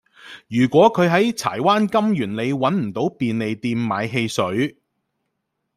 如果佢喺柴灣金源里搵唔到便利店買汽水